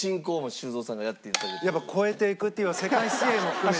やっぱ超えていくっていえば世界水泳も含めて。